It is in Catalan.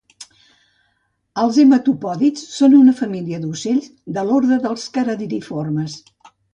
Els hematopòdids són una família d'ocells de l'ordre dels caradriformes